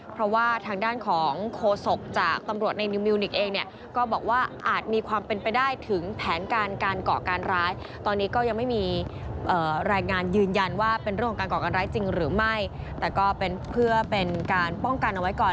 เพราะว่าทางด้านของโคศกจากตำรวจในนิวมิวนิกเองเนี่ยก็บอกว่าอาจมีความเป็นไปได้ถึงแผนการการก่อการร้ายตอนนี้ก็ยังไม่มีรายงานยืนยันว่าเป็นเรื่องของการก่อการร้ายจริงหรือไม่แต่ก็เป็นเพื่อเป็นการป้องกันเอาไว้ก่อน